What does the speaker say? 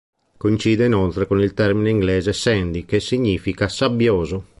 Coincide inoltre con il termine inglese "sandy", che significa "sabbioso".